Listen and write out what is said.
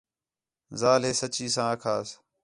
ذال ہے سچّی ساں آکھاس